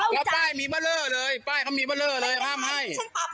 แล้วป้ายเค้ามีเบอร์เลอร์เลยห้ามให้